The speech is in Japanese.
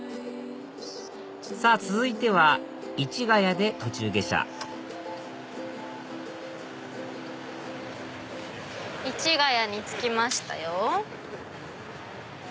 さぁ続いては市ケ谷で途中下車市ケ谷に着きましたよ。